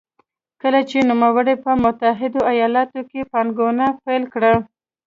کله چې نوموړي په متحده ایالتونو کې پانګونه پیل کړه.